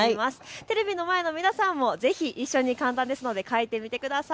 テレビの前の皆さんもぜひ一緒に簡単ですので描いてみてください。